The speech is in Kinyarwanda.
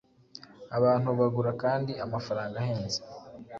Abantu bagura kandi amafaranga ahenze